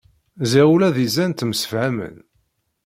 Ziɣ ula d izan ttemsefhamen.